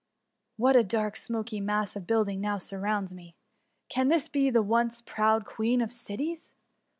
What a dark, smoky mass of buildings now surrounds me! Can this be the once proud Queen of Cities?